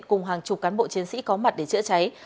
cùng hàng chục cán bộ chiến sĩ có mặt để chữa cháy